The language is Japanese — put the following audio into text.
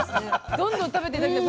どんどん食べて頂きたい。